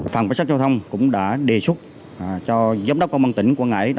phòng cảnh sát giao thông cũng đã đề xuất cho giám đốc công an tỉnh quảng ngãi